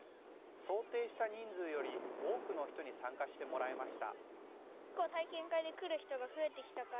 想定した人数より多くの人に参加してもらえました。